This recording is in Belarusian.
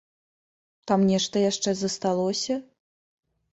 Там нешта яшчэ засталося?